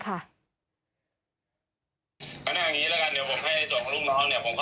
ก็ได้อย่างงี้ละกันเดี๋ยวผมให้ส่วนของลูกน้องเนี่ยผมเข้าไปติดต่ออบคุณละกันได้ครับได้ครับได้ครับ